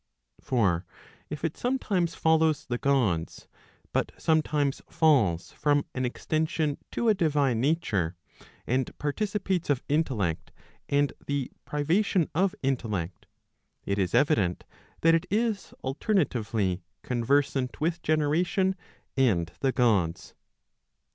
Digitized by Google 433 ELEMENTS prop, ccvii. ccvm. For if it sometimes follows the Gods, but sometimes falls from an extension to a divine nature, and participates of intellect and the priva¬ tion of intellect, it is evident that it is alternatively conversant with generation and the Gods.